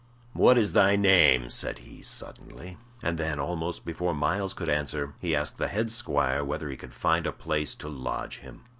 "What is thy name?" said he, suddenly. And then, almost before Myles could answer, he asked the head squire whether he could find a place to lodge him.